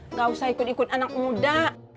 nggak usah ikut ikut anak muda